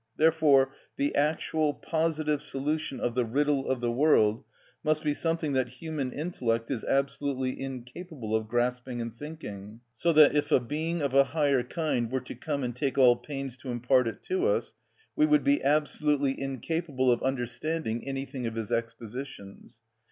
Therefore the actual, positive solution of the riddle of the world must be something that human intellect is absolutely incapable of grasping and thinking; so that if a being of a higher kind were to come and take all pains to impart it to us, we would be absolutely incapable of understanding anything of his expositions.